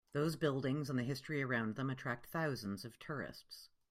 Those buildings and the history around them attract thousands of tourists.